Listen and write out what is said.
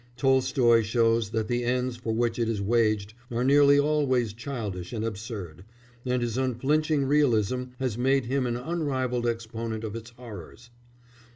Tolstoy shows that the ends for which it is waged are nearly always childish and absurd, and his unflinching realism has made him an unrivalled exponent of its horrors.